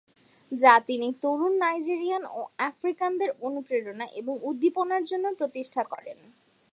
যা তিনি তরুণ নাইজেরিয়ান ও আফ্রিকানদের অনুপ্রেরণা এবং উদ্দীপনার জন্য প্রতিষ্ঠা করেন।